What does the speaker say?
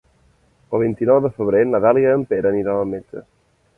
El vint-i-nou de febrer na Dàlia i en Pere aniran al metge.